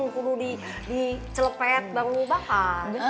kudu di celepet baru bakar